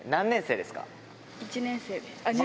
１年生です。